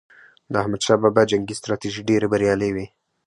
د احمد شاه بابا جنګي ستراتیژۍ ډېرې بریالي وي.